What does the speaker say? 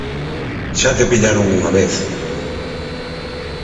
Xa te pillaron unha vez.